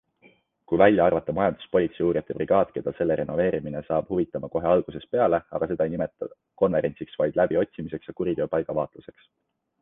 Kui välja arvata majandus-politsei uurijate brigaad, keda selle renoveerimine saab huvitama kohe algusest peale, aga seda ei nimeta konverentsiks, vaid läbiotsimiseks ja kuriteopaiga vaatluseks.